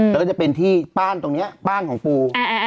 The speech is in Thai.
แล้วก็จะเป็นที่บ้านตรงนี้บ้านของปู